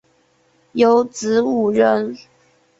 有子五人